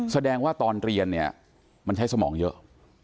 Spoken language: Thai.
แสดงว่าตอนเรียนเนี่ยมันใช้สมองเยอะ